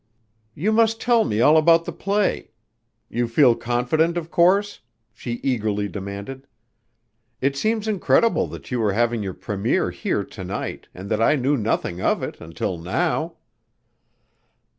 "You must tell me all about the play. You feel confident, of course?" she eagerly demanded. "It seems incredible that you were having your première here to night and that I knew nothing of it until now."